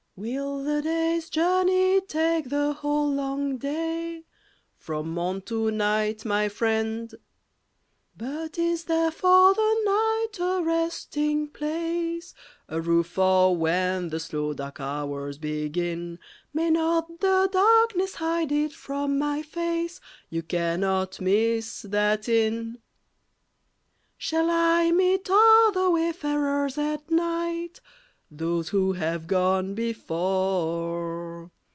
Will the day's journey take the whole long day? From morn to night, my friend. But is there for the night a resting place? A roof for when the slow dark hours begin. May not the darkness hide it from my face? You cannot miss that inn. Shall I meet other wayfarers at night? Those who have gone before.